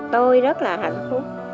tôi rất là hạnh phúc